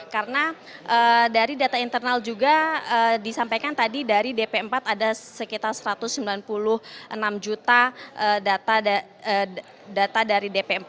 karena dari data internal juga disampaikan tadi dari dp empat ada sekitar satu ratus sembilan puluh enam juta data dari dp empat